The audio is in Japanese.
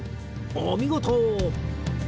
お見事！